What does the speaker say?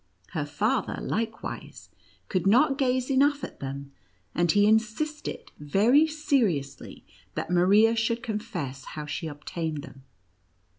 Her father, likewise, could not gaze enough at them, and he insisted very seriously that Maria should confess how she obtained them.